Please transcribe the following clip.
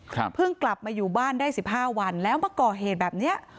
เพิ่งกลับมาอยู่บ้านได้สิบห้าวันแล้วมาก่อเหตุแบบเนี้ย